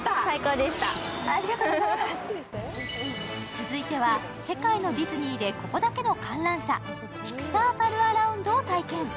続いては、世界のディズニーでここだけの観覧車、ピクサー・パル・ア・ラウンドを体験。